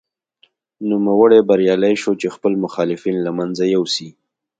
نوموړی بریالی شو چې خپل مخالفین له منځه یوسي.